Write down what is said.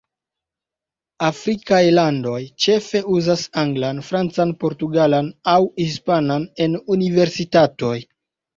Afrikaj landoj ĉefe uzas anglan, francan, portugalan, aŭ hispanan en universitatoj.